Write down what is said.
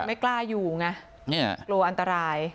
ไม่กล้าอยู่ไงกลัวอันตราย